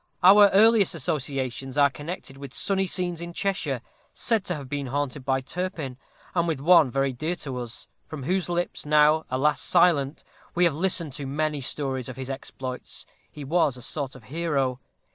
Our earliest associations are connected with sunny scenes in Cheshire, said to have been haunted by Turpin; and with one very dear to us from whose lips, now, alas! silent, we have listened to many stories of his exploits he was a sort of hero.